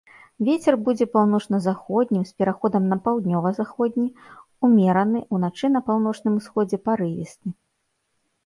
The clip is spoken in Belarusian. Вецер будзе паўночна-заходнім з пераходам на паўднёва-заходні, умеркаваны, уначы на паўночным усходзе парывісты.